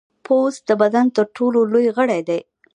پوست د بدن تر ټولو لوی غړی دی.